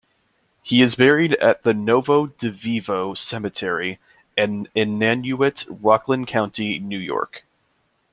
He is buried at the Novo-Diveevo cemetery in Nanuet, Rockland County, New York.